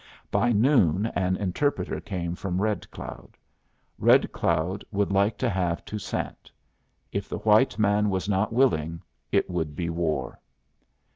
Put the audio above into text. By noon an interpreter came from Red Cloud. Red Cloud would like to have Toussaint. If the white man was not willing, it should be war.